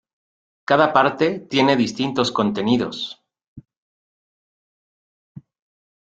Cada parte tiene distintos contenidos.